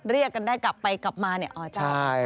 เรียกกันได้กลับไปกลับมาอเจ้าอเจ้านะคะ